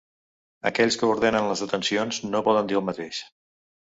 Aquells que ordenen les detencions no poden dir el mateix.